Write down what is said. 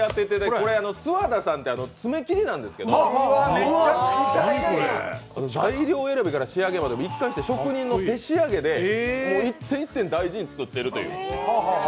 ＳＵＷＡＤＡさんって爪切りなんですけど材料選びから仕上げまで一貫して職人の手仕上げで、一点一点大事に作っているという。